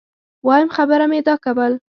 وایم خبره مي دا کول